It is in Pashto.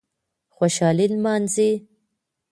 خوشالي نمانځي